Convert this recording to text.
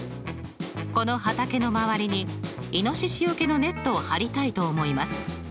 この畑の周りにいのししよけのネットを張りたいと思います。